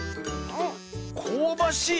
こうばしい！